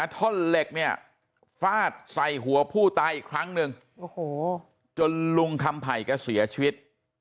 ท่อนเหล็กเนี่ยฟาดใส่หัวผู้ตายอีกครั้งหนึ่งจนลุงคำไผ่แกเสียชีวิต